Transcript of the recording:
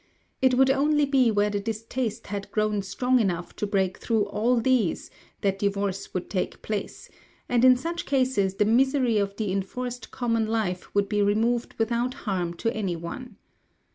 It would only be where the distaste had grown strong enough to break through all these, that divorce would take place, and in such cases the misery of the enforced common life would be removed without harm to any one.